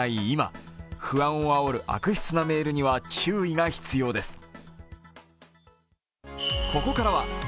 今、不安をあおる悪質なメールには注意が必要です。